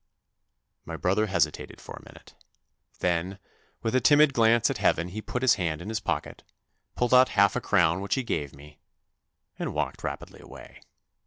My brother hesitated for a minute; then with a timid glance at heaven he put his hand in his pocket, pulled out half a crown which he gave me, and walked rapidly away.